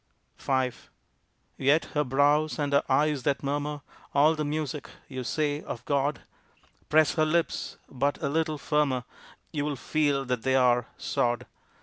V "Yet her brows and her eyes that murmur All the music," you say, "of God!" Press her lips but a little firmer You will feel that they are sod.